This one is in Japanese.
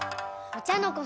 お茶の子